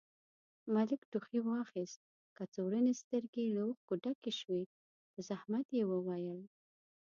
ملک ټوخي واخيست، کڅوړنې سترګې يې له اوښکو ډکې شوې، په زحمت يې وويل: